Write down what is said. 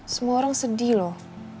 semua orang sedih loh